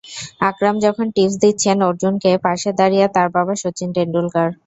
আকরাম যখন টিপস দিচ্ছেন অর্জুনকে, পাশে দাঁড়িয়ে তার বাবা শচীন টেন্ডুলকার।